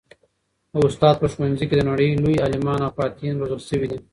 د استاد په ښوونځي کي د نړۍ لوی عالمان او فاتحین روزل سوي دي.